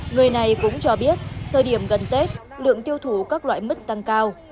người này cũng cho biết thời điểm gần tết lượng tiêu thụ các loại mứt tăng cao